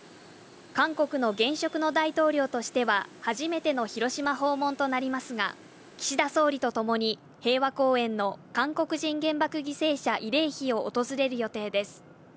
韓国の現職の大統領としては初めての広島訪問となりますが、岸田総理と共に、平和公園の韓国人原爆犠牲者慰霊碑を訪れる予定です。